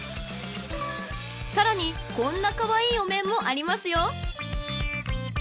［さらにこんなカワイイお面もありますよ］